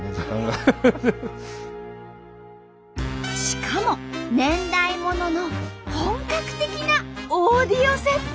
しかも年代物の本格的なオーディオセットも。